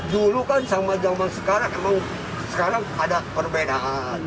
dulu kan sama zaman sekarang emang sekarang ada perbedaan